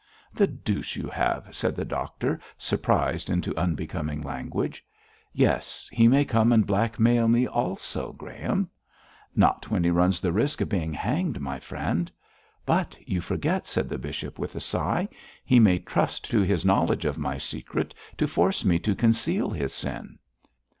'The deuce you have!' said the doctor, surprised into unbecoming language. 'Yes; he may come and blackmail me also, Graham!' 'Not when he runs the risk of being hanged, my friend.' 'But you forget,' said the bishop, with a sigh. 'He may trust to his knowledge of my secret to force me to conceal his sin.'